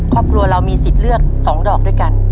ครอบครัวเรามีสิทธิ์เลือก๒ดอกด้วยกัน